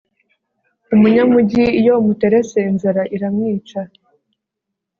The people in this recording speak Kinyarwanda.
umunyamujyi iyo umuterese inzara iramwica